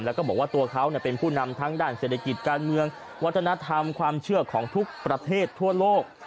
แล้วก็บอกว่าตัวเขาเป็นผู้นำทั้งด้านเศรษฐกิจการเมืองวัฒนธรรมความเชื่อของทุกประเทศทั่วโลก